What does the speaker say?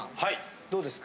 どうですか？